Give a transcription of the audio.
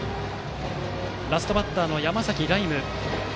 ラストバッター、山崎徠夢。